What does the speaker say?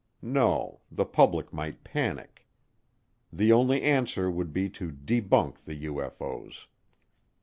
No, the public might panic. The only answer would be to debunk the UFO's.